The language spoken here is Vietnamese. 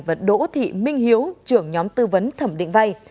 và đỗ thị minh hiếu trưởng nhóm tư vấn thẩm định vay